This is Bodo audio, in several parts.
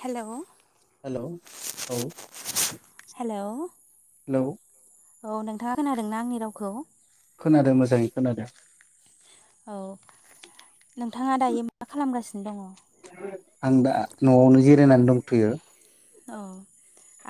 हेल हेल औ हेलौ हेल औ नोंथाङा खोनादों ना आंनि रावखौ खोनादों मोजाङै खोनादों औ नोंथाङा दायो मा खालामगासिनो दङ आं दा नआवनो जिरायनानै दंथयो अ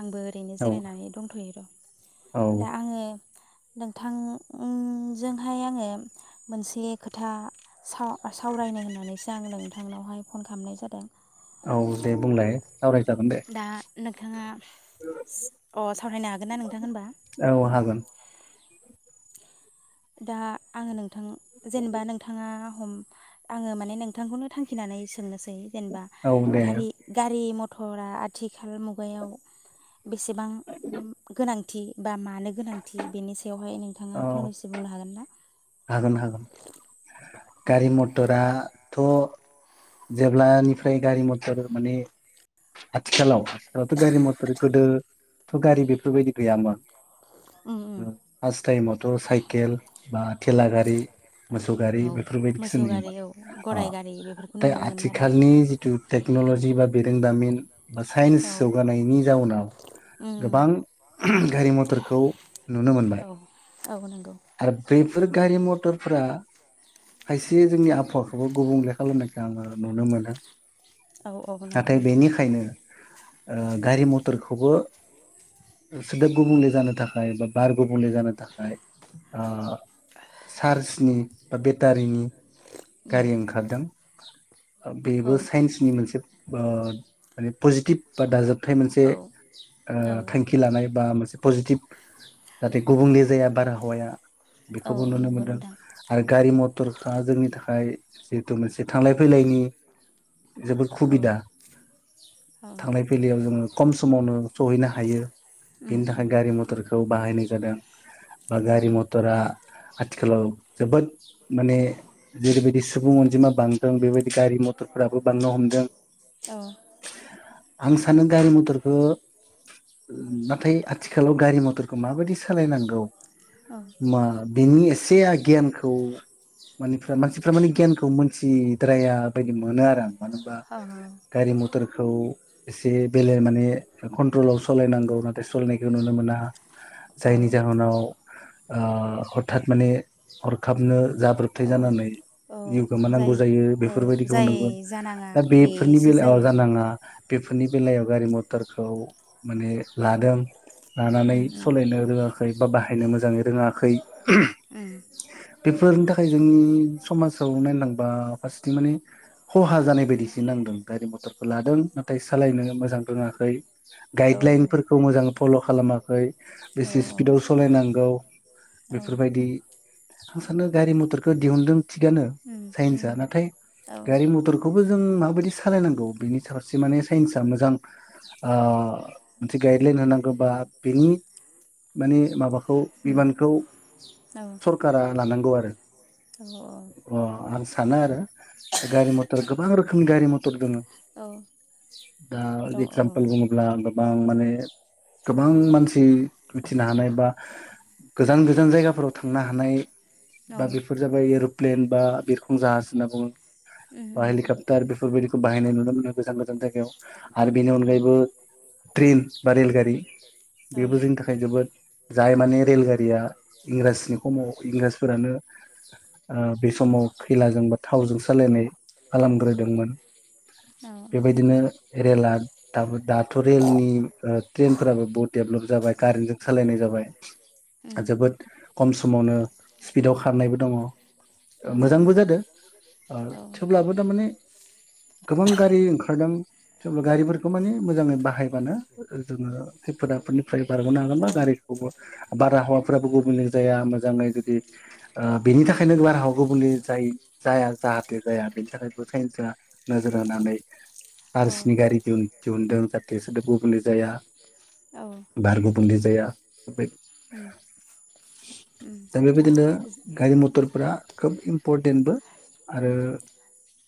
आंबो ओरैनो औ जिरायनानै दंथयो र औ दा आङो नोंथांजोंहाय आङो मोनसे खोथा साव सावरायनो होननानैसो आं नोंथांनावहाय फन खालामनाय जादों औ दे बुंलाय सावरायजागोन दे दा नोंथाङा अ सावरायनो हागोन ना नोंथां होनबा औ हागोन दा आङो नों नोंथां जेनेबा नोंथाङा आङो माने नोंथांखौनो थांखिनानै सोंनो सै जेनेबा औ दे गारि गारि मथर गथ'फोरा आथिखाल मुगायाव बेसेबां गोनां थि बा मानो गोनांथि बेनि सायाव बेयावहायों नोथांङा औ फंनैसो बुंनो हागोन ना? हागोन हागोन गारि मथराथ' जेब्लानिफ्राय गारि मथर माने आथिखालाव आथिखालावथ गारि मथर गोदोथ गारि बेफोरबायदि गैयामोन उम उम फास्थ टाइमथ' साइकेल बा थेला गारि मोसौ गारि बेफोरबायदिखौसो मोसौ गारि औ नुयोमोन ओ गराइ गारि बेफोरखौ ओमफाय नुनो मोनोमोन आरो आथिखालनि जिथु टेक्न'लजि बा बिरोंदामिन बा औ साइन्स जौगानायनि जाउनाव उम गोबां गारि मथरखौ नुनो मोनबाय उम औ नंगौ आरो बेफोर गारि मथरफोरा खायसे जोंनि आब हावाखौबो गुबुंले खालामनायखो आङो नुनो मोनो। औ औ नंगौ नाथाय नोंथां बेनिखायनो ओ गारि मथरखौ खौबो सोदोब गुबुंले जानो थाखाय बा बार गुबुंले जानो थाखाय ओ चार्जनि बा बेटारिनि उम गारि ओंखारदों। औ बेबो साइन्सनि मोनसे ओ माने पजिटिभ बा दाजाब थाइ मोनसे औ औ थांखि लानाय बा मोनसे पजिटिभ जाहाथे गुबुंले जाया बारहावाया। औ बेखौबो नुनो नंगौ मोनदों नोंथां आरो गारि मथरफ्रा जोंनि थाखाय जिहेतु मोनसे थांलाय फैलायनि जोबोद औ सुबिदा औ थांलाय फैलायाव जोङो खम समावनो सहैनो हायो। उम बेनि उम थाखाय गारि मटरखौ बाहायनाय जादों बा गारि औ मटरा आथिखालाव औ जोबोद माने जेरैबायदि सुबुं अनजिमा बांदों बेबायदि गारि मथरफ्राबो बांनो हमदों। औ आं सानो गारि मथरखौ नाथाय आथिखालाव गारि मथरखौ माबायदि सालायनांगौ? औ नोंनि एसे गियानखौ माने मानसिफ्रा माने गियानखौ मोनथिद्राया बायदि मोनो आरो आं। मानो होनबा गारि मथरखौ एसे बेलेग माने कन्ट्रलाव सालायनांगौ नाथाय सालायनायखौ नुनो मोना। जायनि जाहोनाव। ओं। हरखाब माने हरखाबनो जाब्रथाय। औ जाब्रबथाय जानानै औ जिउ गोमानांगौ जाय जायो औ बेफोर बायदिखौ जाय जानाङा दा बेफोरनि बेसो बेलायाव जायो औ जानाङा। बेफोरनि बेलायाव गारि मथरखौ माने लादों। लानानै उम सालायनो रोङाखै। बा बाहायनो मोजाङै रोङाखै। उम बेफोरनि थाखाय जोंनि समाजाव नायलांबा फारसेथिं माने खहा जानाय बायदिसो नांदों गारि मथरखौ लादों नाथाय सालायनो मोजां रोङाखै। औ गाइड लाइनफोरखौ मोजाङै फल' खालामाखै औ बेसे स्पिडआव सालायनांगौ। औ बेफोरबायदि। आं सानो गारि-मथरखौ दिहुनदों थिगानो उम उम साइन्सआ नाथाय औ उम गारि-मथरखौबो जों माबायदि सालायनांगौ बिनि फारसे माने साइन्सआ मोजां ओ मोनसे गाइडलाइन होनांगौ बा बेनि माने माबाखौ खौ बिबानखौ सरकारा लानांगौ आरो औ औ अ आं सानो आरो गारि-मथर गोबां रोखोमनि गारि-मथर दङ। औ दा दं औ उम इगजामपोल बुङोब्ला गोबां माने गोबां मानसि मिथिनो हानाय बा गोजान-गोजान जायगाफोराव थांनो हानाय बा बेफोर जाबाय एरु प्लेन बा बिरखं जाहाज होनना बुङो। बा उम हलिकपटार बेफोरबायदिखौ बाहायनाय नुनो मोनो गोजान-गोजान जाय गायाव आरो बेनि औ औ अनगायैबो ट्रेन बा रेलगारि बेबो जोंनि थाखाय जोबोद जाय माने रेल या इंराजनि समाव इंराजफोरानो ओ बे समाव खैलाजों बा थावजों सालायनाय खालामग्रोदोंमोन उम बेबायदिनो रेलआ दाबो दाथ' रेलनि ओ ट्रेनफोराबो बहुत डेभलप जाबाय कारेन्टजों सालायनाय जाबाय। उम औ जोबोद खम समावनो स्पिडाव खारनायबो दङ ओ मोजांबो नंगौ जादों ओ औ थेवब्लाबो थारमाने गोबां गारि ओंखारदों थेवब्ला गारिफोरखौ माने मोजाङै बाहायबानो जोङो खैफोद आफोदनिफ्राय बारग'नो हागोनबा गारिखौबो बार-हावाफ्राबो गु बुंले जाया मोजाङै जुदि ओ बेनि थाखायनो बारहावाखो गुबुंले जायि-जाया जाहाथे जाया बेनि थाखायबो साइनसआ नोजोर होनानै औ सार्सनि गारि दिहुन दिहुनदों जाहाथे बिसोरदों गुबुंले जाया। औ उम बारग' पलिस जायआ ओमफ्राय उम दा बेबायदिनो गारि-मथरफोरा खोब इमपरटेन्टबो आरो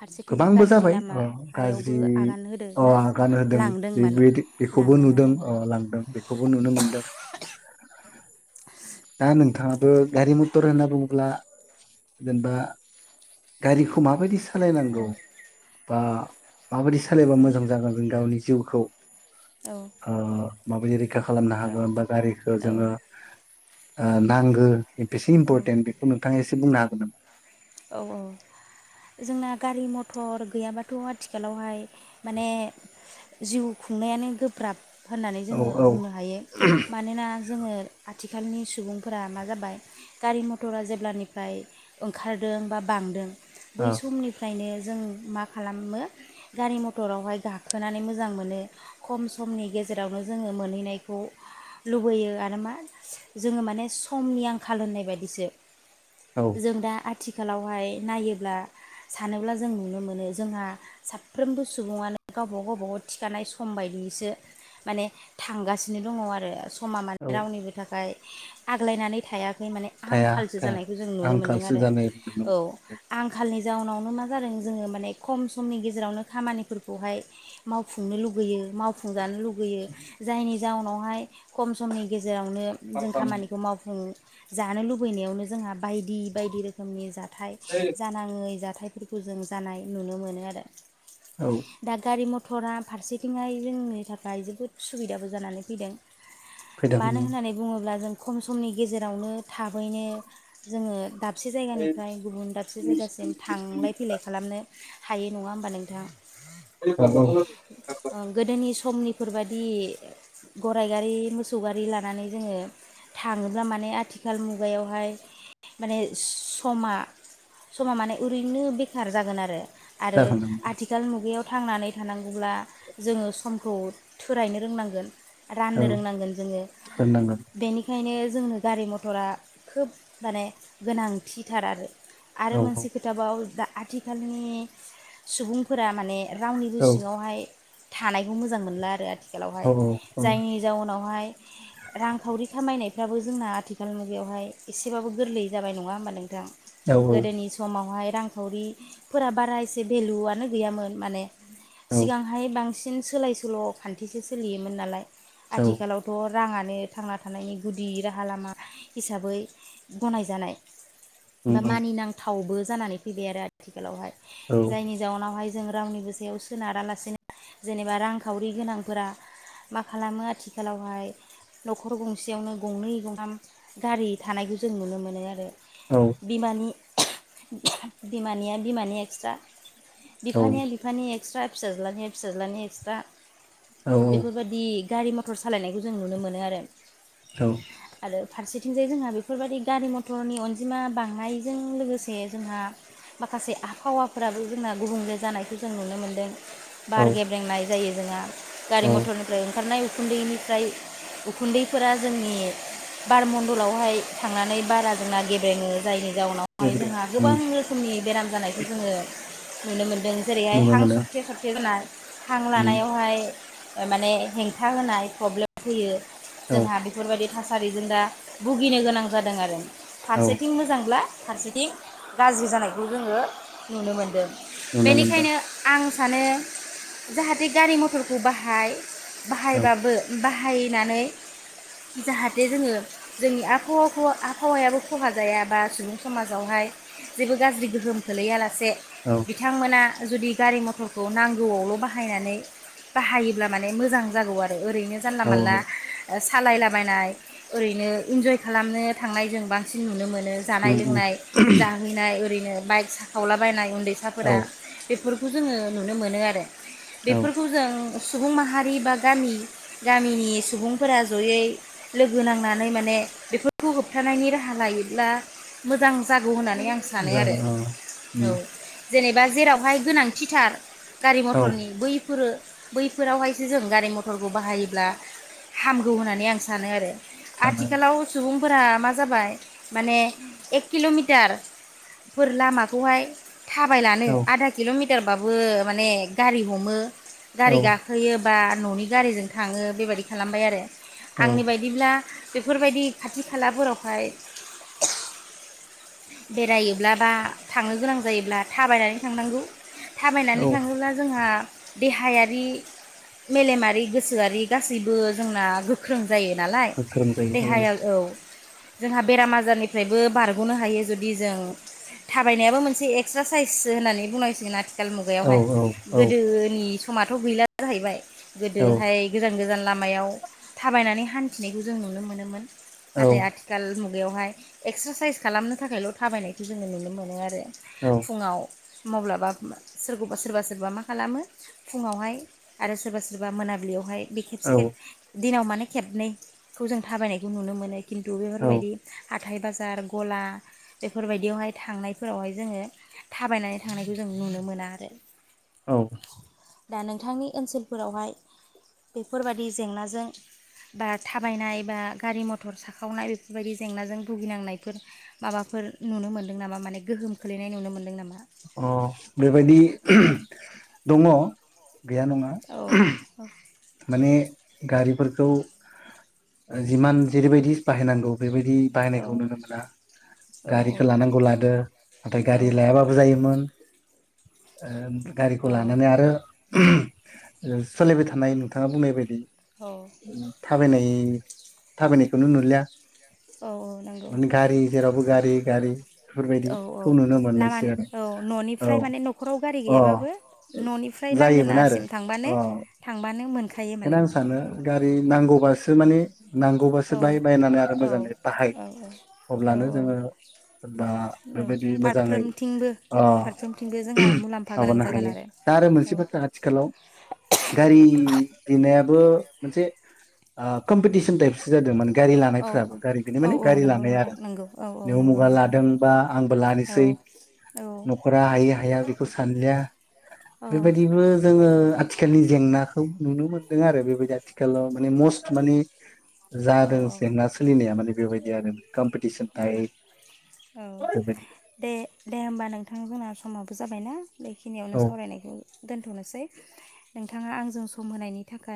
फारसेथिं गोबांबो गाज्रि जाबाय ओ लामायावबो गाज्रि आगान होदों अ ना आगान होदों लांदों माने बेदि बेखौबो लांदों नुदों ओ आरो लांदों बेखौबो नुनो मोनदों। दा नोंथाङाबो गारि-मथर होनना बुङोब्ला जेनेबा गारिखौ माबायदि सालायनांगौ बा माबायदि सालायबा मोजां जागोन जों गावनि जिउखौ औ ओ माबायदि रैखा खालामनो औ हागोन बा गारिखौ जोङो ओ नांगौ बेसे औ इम्परटेन्ट बेखौ नोंथाङा एसे बुंनो हागोन नामा। औ जोंना गारि-मथर गैयाबाथ' आथिखालावहाय माने जिउ खुंनायानो गोब्राब। होननानै औ जोङो औ बुंनो हायो मानोना जोङो आथिखालनि सुबुंफोरा मा जाबाय गारि मथरा जेब्लानिफ्राय ओंखारदों बा बांदों औ बै समनिफ्रायनो जों मा खालामो गारि मथरावहाय गाखोनानै मोजां मोनो खम समनि गेजेरावनो जोङो मोनहैनायखौ लुबैयो आरो मा जोङो माने समनि आंखाल होननाय बायदिसो औ जों दा आथिखालावहाय नायोब्ला सानोब्ला जों नुनो मोनो जोंहा साफ्रोमबो सुबुङानो गावबा गाव बागाव थिखानाय सम बायदियैसो माने थांगासिनो दङ आरो समा औ माने रावनिबो थाखाय आग्लायनानै थायाखै माने थाया आंखालसो थाया जानायखौ जों नुनो मोनदों आंखालसो आरो जानाय नुनो औ मोनो आं खालनि जाउनावनो मा जादों जोङो माने खम समनि गेजेरावनो खामानिफोरखौहाय मावफुंनो लुगैयो मावफुंजानो लुगैयो जायनि जाउनावहाय खम समनि गेजे रावनो जों खामानिखौ मावफुं जानो लुबैनायावनो जोंहा बायदि बायदि रोखोमनि जा नाथाय मै जाथायफोरखौ जों जानाय नुनो मोनो आरो औ दा गारि म टरा फारसेथिंहाय जोंनि थाखाय जोबोद सुबिदाबो जानानै फैदों। फैदों औ मानो होननानै बुङोब्ला जों खम समनि गेजेरावनो थाबैनो जोङो दाबसे जायगानिफ्राय गुबुन दाब से जायगासिम थांलाय फैलाय खालामनो हायो नङा होमबा नोंथां [unintelligible] समनिफोरबायदि गराय गारि मोसौ गारि लानानै जोङो थाङोब्ला माने आथिखाल मुगायावहाय माने समा समा माने ओरैनो बेखार जागोन आरो आरो जागोन आथिखाल मुगायाव थांनानै थानांगौब्ला जोङो समखौ थोरायनो रोंनांगोन। औ राननो रोंनांगोन जोङो रोंनांगोन बेनिखायनो जोंनो गारि मथरा खोब माने गोनांथिथार आरो। औ आरो मोनसे खोथाबाव दा आथिखालनि सुबुं फोरा माने रावनिबो औ सिङावहाय थानायखौ मोजां मोनला आरो आ औ थिखालावहाय औ औ जायनि जाउनावहाय रांखावरि खामायनाय फ्राबो जोंना आथिखाल मुगायावहाय एसेबाबो गोरलै जाबाय नङा होमबा नोंथां। गोदोनि समावहाय रांखावरिफोरा बारा एसे भेलुआनो गैयामोन माने सिगांहाय बां सिन सोलाय सोल' खान्थिसो सोलियोमोन नालाय। आथिखालावथ राङानो थांना थानायनि गुदि राहा लामा हिसाबै गनायजानाय। बा मानिना थावबो जानानै फैबाय आरो आथि खालावहाय जायनि जाउनावहाय जों रावनिबो सायाव सोनारालासेनो जेनेबा रांखावरि गोनांफोरा मा खालामो आथिखालावहाय न'खर गंसेयावनो गंनै गंथाम गारि थानायखौ जों नुनो मोनो आरो। बिमानि बिमानिया बिमानि एक्सट्रा बिफानिया बिफानि एक्सट्रा फिसाज्लानिया फिसाज्लानि एक्स्रा औ बेफोरबायाददि गारि म टर सालायनायखौ जों नुनो मोनो आरो। आरो फारसे थिंजाय जोंहा बेफोरबायाददि गारि मथरनि अनजिमा बांनायजों लोगोसे जोंहा माखासे आबहावाफोराबो जोंना गुबुंले जानायखौ जों नुनो मोन्दों। औ बार गेब्रेंनाय जायो जोंना गारि औ मथरनिफ्राय ओंखारनाय उखुन्दैनिफ्राय उखुन्दैफोरा जोंनि बार मन्डलावहाय थांनानै बारा जोंना गेब्रेङो जायनि जाउन एभ्रिं जोंहा उम गोबां रोखोमनि बेराम जानायखौ जोङो नुनो मोनो। जेरैहाय नुनो हां मोनो सरथे सरथे जानाय हां उम लानायावहाय माने हेंथा होनाय प्रब्लेम फैयो। औ जोंहा बेफोरबायदि थास सारिजों दा भुगिनो गोनां जादों आरो। औ फारसेथिं मोजांब्ला फारसेथिं गाज्रि जानायखौ जोङो नुनो मोनदों। नुनो मोनदों बेनिखायनो आं माने जाहाथे गारि मथरखौ बाहाय औ बाहायबाबो बाहाय बाहायनानै जाहाथे जोङो जोंनि आबहावाखौ आबहावायाबो खहा जाया बा सुबुं समाजावहाय जेबो गाज्रि गोहोम खोलैया लासे औ बिथांमोना जुदि गारि मथरखौ नांगौआवल' बाहायनानै बाहायोब्ला माने मोजां जागौ आरो। ओरैनो जानला औ मानला सालायलाबायनाय ओरैनो इन्जय खालामनो थांनाय जों बांसिन नुनो मोनो। जानाय उम लों उम लोंनाय जाहैनाय ओरैनो बाइक साखावलाबायनाय औ उन्दैसाफोरा बेफोर खौ जोङो नुनो मोनो आरो औ बेफोरखौ जों सुबुं माहारि बा गामि गामिनि सुबुंफोरा जयै लोगो नांनानै माने बेफोरखौ होबथानायनि राहा लायोब्ला मोजां जागौ होननानै आं सानो आरो। जागोन औ औ उम जेनेबा जेरावहाय गोनां थि थार गारि औ मथरनि बैफोरो बैफोरावहायसो जों गारि मथरखौ बाहायोब्ला हामगौ होननानै आं सानो आरो। सानो आथिखालाव सुबुं फोरा मा जाबाय माने एक किल'मिटारफोर लामाखौहाय थाबायलानो औ आधा किल'मि टारबाबो माने गारि हमो। औ गारि गाखोयो बा न'नि गारिजों थाङो बेबायदि खालामबाय आरो औ आंनि बायदिब्ला बेफोरबायदि खाथि खालाफोरावहाय बेरायोब्ला बा थांनो गोनां जायोब्ला थाबायनानै थांनांगौ औ थाबायनानै थाङोब्ला जोंहा देहायारि मेलेमारि गोसोआरि गासैबो जोंना गोख्रों जायो नालाय गोख्रों जायो देहाया औ जोंहा बेराम आजारनिफ्राय बो बारग'नो हायो जुदि जों थाबायनायाबो मोनसे एक्सारसाइसो होननानै बुंनांसिगोन आ खाल औ मुगायावहाय औ औ गोदोनि समाथ' गैला जाहैबाय। औ गोदोहाय गोजान गोजान लामायाव थाबायनानै हान्थिनायखौ जों नुनो मोनोमोन। नाथाय औ आथिखाल मु बेवहाय एक्सारसाइस खालामनो थाखायल' थाबायनायखौ जोंङो नुनो मोनो आरो। फुङाव म्लाबा सोरखौबा सोरबा सोरबा मा खालामो फुङावहाय आरो सोरबा सोरबा मोनाबिलियावहाय बि खेबसे खेबसे दिनाव माने खेबनैखौ जों थाबायनायखौ नुनो मोनो। खिनथु बेफोर बायदि हथाइ बाजार गला बेफोर बायदियावहाय थांनायफोरावहाय जोंङो थाबायनानै थांनायखौ जों नुनो मोना आरो औ दा नोंथांनि ओनसोलफोरावहाय बेफोरबायदि जेंनाजों बा थाबायनाय बा गारि मथर साखावनाय बेफोरबायदि जेंनाजों भुगिनांनायफोर माबाफोर नुनो मोनदों नामा माने गोहोम खोलैनाय नुनो मोनदों नामा? अ बेबायदि दङ। गैया नङा औ माने गारिफोरखौ जिमान जेरैबायदि बाहायनांगौ बेबायदि औ बाहायनायखौ नुनो मोना गारिखौ लानांगौ लादो नाथाय औ गारि लायाबो [unintelligible] गारिखौ लानानै आरो सोलिबाय थानाय नोंथाङा बुंनाय बायदि। औ थाबायनाय थाबायनायखौनो नुलिया। औ नंगौ मनि गारि जेरावबो। गारि गारि। औ औ बेफोरबायदिखौ नुनो लामा मोननायसै। औ आरो न'निफ्राय माने न'खराव गारि औ अ गैयाबाबो न'निफ्राय जायोमोन आरो लांगोनासिम थांबानो अ थांबानो मोनखोन बेखायनो आं सानो गारि नांगौबासो। बेफोर माने नांगौबासो बाहाय बायनानै आरो मोजाङै बाहाय अब्लानो औ जोंङो बा बेबायदि मोजाङै फारफ्रोमथिंबो फारफ्रोमथिंबो जोंहा मुलाम्फा गोनां माबानो जागोन हायो। दा आरो मोनसे बाथ्रा आथिखालाव गारि लानायाबो मोनसे ओ कम्पिटीशन टाइपसो जालों मां गारि औ लानायफोराबो गारि बेनि औ माने औ गारि नंगौ लानाय नोंथां आरो नंगौ औ औ नै नंगौ उमुगा नोंथां लादोंबा आंबो लानोसै औ औ नखरा हायै हाया बेख खौ सानलिया औ बेबायदिबो जोङो। आथिखालनि जेंनाखौ नुनो मोनो। दङो आरो बेबाय आथिखालाव लेमस माने जादों जेंना सोलिनाया माने। बेबायदियानो औ औ बेबायदि दे दे होमबा नोंथां जोंना समाबो। जाबायना बेखिनियावनो औ सावरायनायखौ। दोन्थनोसै नोंथाङा आंजों सम होनायनि थाखाय।